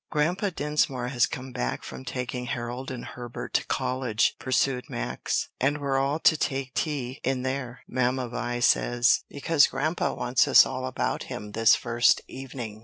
"Grandpa Dinsmore has come back from taking Harold and Herbert to college," pursued Max, "and we're all to take tea in there, Mamma Vi says; because grandpa wants us all about him this first evening."